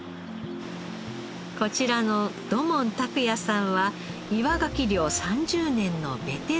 こちらの土門拓也さんは岩ガキ漁３０年のベテラン漁師。